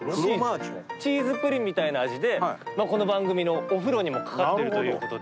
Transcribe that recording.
チーズプリンみたいな味でこの番組の「お風呂」にもかかってるということで。